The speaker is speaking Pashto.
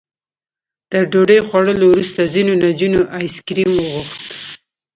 تر ډوډۍ خوړلو وروسته ځینو نجونو ایس کریم وغوښت.